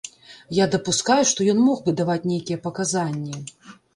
Я дапускаю, што ён мог бы даваць нейкія паказанні.